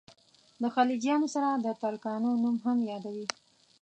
د خلجیانو سره د ترکانو نوم هم یادوي.